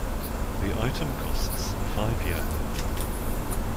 The item costs five Yen.